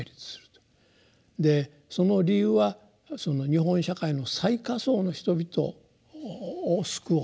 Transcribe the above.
でその理由は日本社会の最下層の人々を救おうと。